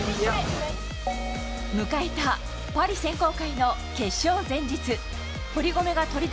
迎えたパリ選考会の決勝前日。